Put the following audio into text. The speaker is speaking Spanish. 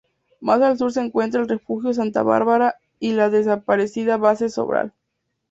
Más al sur se encuentra el refugio Santa Bárbara y la desaparecida base Sobral.